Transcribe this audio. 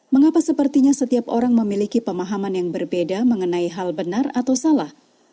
mengapa sepertinya setiap orang memiliki pemahaman yang berbeda mengenai hal benar atau salah